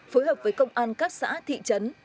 phối hợp với công an các xã thị trấn